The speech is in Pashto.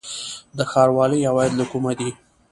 د ښاروالۍ عواید له کومه دي؟